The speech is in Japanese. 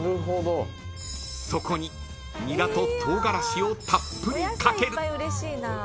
［そこにニラとトウガラシをたっぷりかける］